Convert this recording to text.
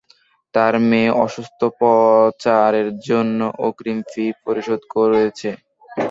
তার মেয়ের অস্ত্রোপচারের জন্য অগ্রিম ফি পরিশোধ করেছে।